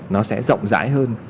nó sẽ rộng rãi hơn